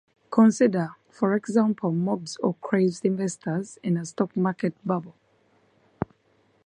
Consider, for example, mobs or crazed investors in a stock market bubble.